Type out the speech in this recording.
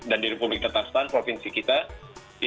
dan di republik tatarstan provinsi kita ada sekitar lima puluh masjid